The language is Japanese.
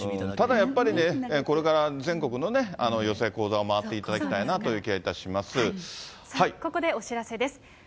ただやっぱりね、これから全国のね、寄席、高座を回っていたここでお知らせです。